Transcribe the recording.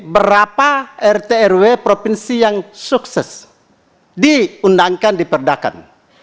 berapa rt rw provinsi yang sukses diundangkan diperdakan